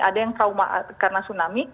ada yang trauma karena tsunami